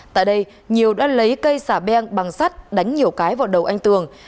tại đây nhiều đã lấy cây xả beng bằng sắt đánh nhiều cái vào đầu anh tường